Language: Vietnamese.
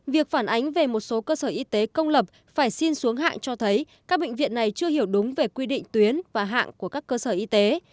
việc phản ánh về một số cơ sở y tế công lập phải xin xuống hạng cho thấy các bệnh viện này chưa hiểu đúng về quy định tuyến và hạng của các cơ sở y tế